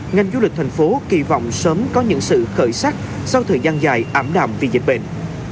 ngành du lịch thành phố kỳ vọng sớm có những sự khởi sắc sau thời gian dài ảm đạm vì dịch bệnh